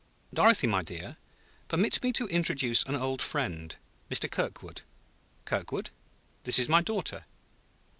"Dorothy, my dear, permit me to introduce an old friend Mr. Kirkwood. Kirkwood, this is my daughter."